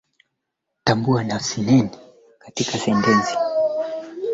na moja oblast huru ambayo ni Oblast huru ya Kiyahudi